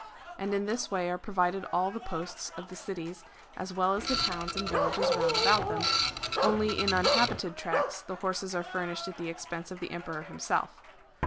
And in this way are provided all the posts of the cities, as well as the towns and villages round about them ; only in uninhabited tracts the horses are furnished at the expense of the Emperor himself.